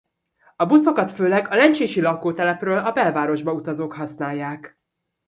A buszokat főleg a Lencsési lakótelepről a belvárosba utazók használják.